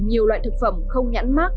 nhiều loại thực phẩm không nhãn mát